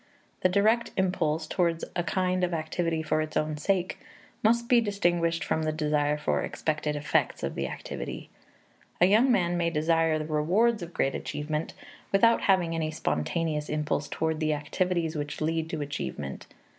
The direct impulse toward a kind of activity for its own sake must be distinguished from the desire for the expected effects of the activity. A young man may desire the rewards of great achievement without having any spontaneous impulse toward the activities which lead to achievement.